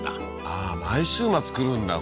あー毎週末来るんだ